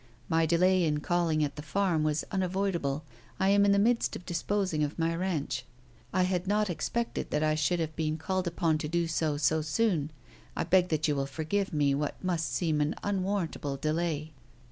"My delay in calling at the farm was unavoidable. I am in the midst of disposing of my ranch. I had not expected that I should have been called upon to do so so soon. I beg that you will forgive me what must seem an unwarrantable delay."